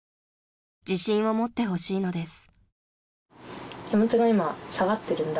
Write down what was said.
［自信を持ってほしいのです］